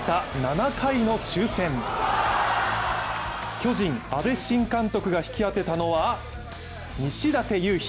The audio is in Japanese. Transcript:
巨人・阿部新監督が引き当てたのは西舘勇陽。